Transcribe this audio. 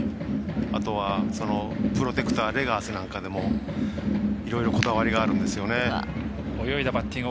あとは、プロテクターレガースなんかでもいろいろこだわりがあるんですね。